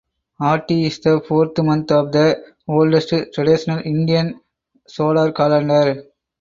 Aati is the fourth month of the oldest traditional Indian solar calendar.